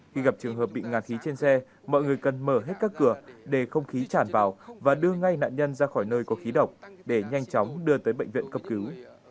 khi gặp trường hợp bị ngạt khí trên xe mọi người cần mở hết các cửa để không khí tràn vào và đưa ngay nạn nhân ra khỏi nơi có khí độc để nhanh chóng đưa tới bệnh viện cấp cứu